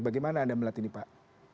bagaimana anda melihat ini pak